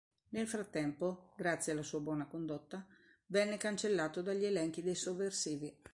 Nel frattempo, grazie alla sua buona condotta, venne cancellato dagli elenchi dei sovversivi.